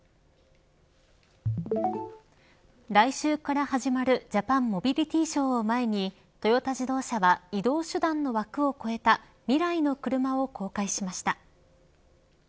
来週から始まるジャパンモビリティショーを前にトヨタ自動車は移動手段の枠を超えた未来のクルマを公開しました。